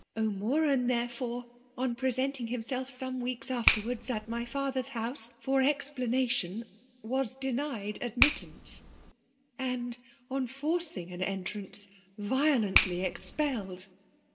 0'Moran» therefore, on presenting himself some weeks afterwards at my father's house, for explana tion, was denied admittance ; and, on forcing an entrance, violently expelled.